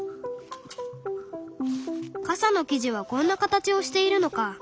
傘の生地はこんな形をしているのか。